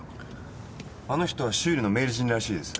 あの人は修理の名人らしいです。